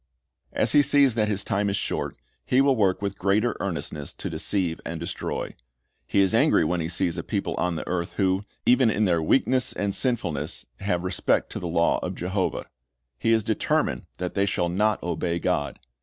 As he sees that his time is short, he will work with greater earnestness to deceive and destroy. He is angry when he sees a people on the earth, who, even in their weakness and sinfulness, have respect to the law of Jehovah. He is determined that they shall not obey God.